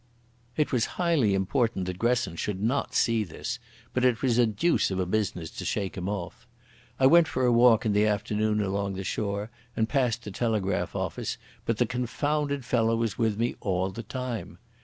_ It was highly important that Gresson should not see this, but it was the deuce of a business to shake him off. I went for a walk in the afternoon along the shore and passed the telegraph office, but the confounded fellow was with me all the time.